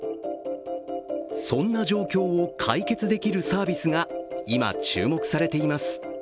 そんな状況を解決できるサービスが今、注目されています。